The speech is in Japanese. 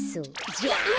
じゃあ。